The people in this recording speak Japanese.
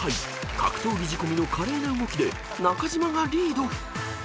格闘技仕込みの華麗な動きで中島がリード］